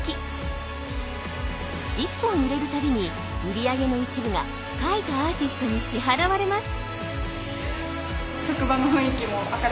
１本売れる度に売り上げの一部が描いたアーティストに支払われます。